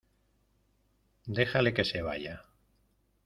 dejale que se vaya.